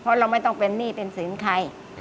เพราะเราไม่ต้องเป็นหนี้เป็นสินใคร